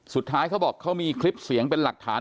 เขาบอกเขามีคลิปเสียงเป็นหลักฐาน